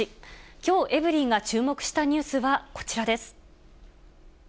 きょう、エブリィが注目したニュースはこちらです。